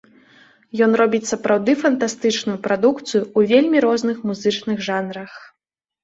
Ён робіць сапраўды фантастычную прадукцыю ў вельмі розных музычных жанрах.